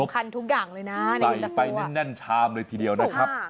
สำคัญทุกอย่างเลยนะในเย็นเต้าหู้อ่ะครบใส่ไปแน่นชามเลยทีเดียวนะครับ